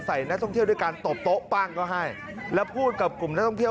ใส่นักท่องเที่ยวด้วยการตบโต๊ะปั้งก็ให้แล้วพูดกับกลุ่มนักท่องเที่ยว